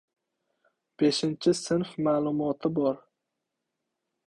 — Beshinchi sinf ma’lumoti bor!